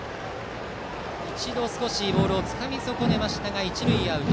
一度ボールをつかみ損ねましたが一塁、アウト。